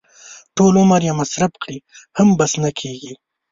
ټول عمر یې مصرف کړي هم بس نه کېږي.